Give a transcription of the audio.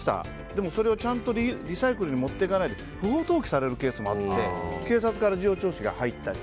でも、それをちゃんとリサイクルに持っていかないで不法投棄されるケースもあって警察から事情聴取が入ったり。